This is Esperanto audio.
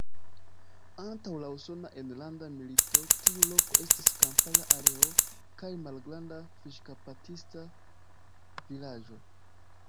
Antaŭ la Usona Enlanda Milito tiu loko estis kampara areo kaj malgranda fiŝkaptista vilaĝo.